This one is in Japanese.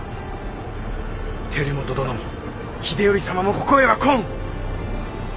輝元殿も秀頼様もここへは来ん！